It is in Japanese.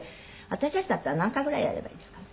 私たちだったら何回ぐらいやればいいですか？